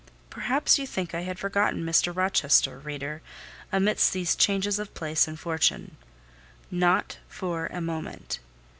Perhaps you think I had forgotten Mr. Rochester, reader, amidst these changes of place and fortune. Not for a moment.